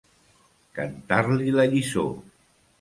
Cantar-li la lliçó.